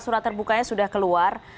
surat terbukanya sudah keluar